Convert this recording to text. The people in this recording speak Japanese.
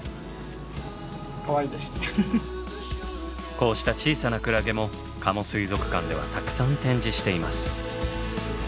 こうした小さなクラゲも加茂水族館ではたくさん展示しています。